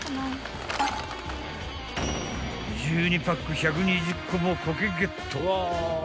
［１２パック１２０個もコケゲット］